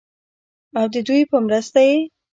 او ددوي پۀ مرسته ئې